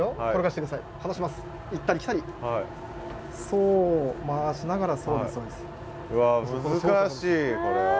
そう回しながらそうですそうです。